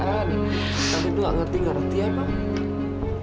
tante tuh gak ngerti ngerti ya emang